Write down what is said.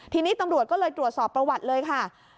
ทีนี้ตำรวจก็เลยตรวจสอบประวัติเลยค่ะ